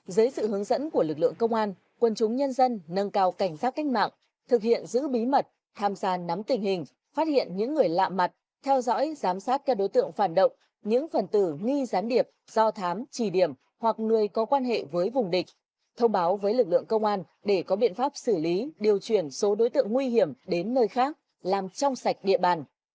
dưới sự hướng dẫn của lực lượng công an quân chúng nhân dân nâng cao cảnh sát cách mạng thực hiện giữ bí mật tham gia nắm tình hình phát hiện những người lạ mặt theo dõi giám sát các đối tượng phản động những phần tử nghi gián điệp do thám trì điểm hoặc người có quan hệ với vùng địch thông báo với lực lượng công an để có biện pháp xử lý điều chuyển số đối tượng nguy hiểm đến nơi khác làm trong sạch địa bàn